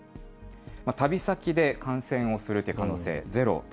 旅先で感染をする可能性、ゼロで